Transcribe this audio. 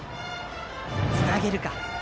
つなげるか。